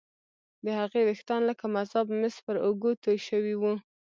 د هغې ويښتان لکه مذاب مس پر اوږو توې شوي وو